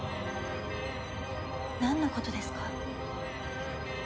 なんのことですか？